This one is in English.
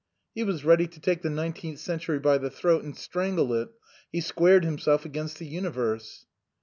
He was ready to take the nineteenth century by the throat and strangle it; he squared himself against the universe.